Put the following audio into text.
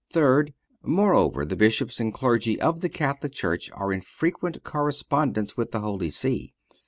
Third—Moreover, the Bishops and Clergy of the Catholic Church are in frequent correspondence with the Holy See.